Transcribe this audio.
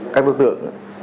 các đối tượng